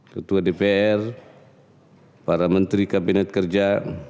ketua dpr para menteri kabinet kerja